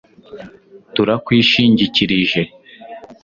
Turakwishingikirije